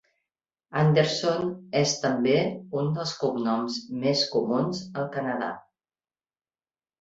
Anderson és també un dels cognoms més comuns al Canadà.